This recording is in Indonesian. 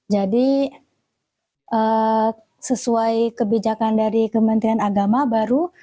jadi sesuai kebijakan dari kementerian agama baru